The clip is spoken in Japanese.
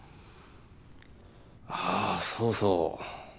あぁそうそう。